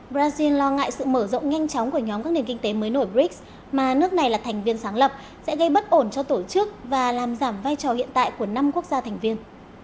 brazil lo ngại sự mở rộng nhanh chóng của nhóm các nền kinh tế mới nổi brics mà nước này là thành viên sáng lập sẽ gây bất ổn cho tổ chức và làm giảm vai trò hiện tại của năm quốc gia thành viên